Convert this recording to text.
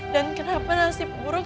dan kenapa nasib buruk